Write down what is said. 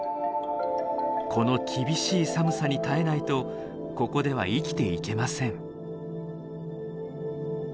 この厳しい寒さに耐えないとここでは生きていけません。